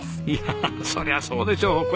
いやそりゃそうでしょう。